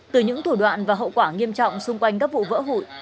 từ những thủ đoạn và hậu quả nghiêm trọng xung quanh các vụ vỡ hụi